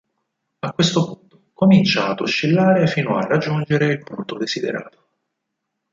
A questo punto comincia ad oscillare fino a raggiungere il punto desiderato.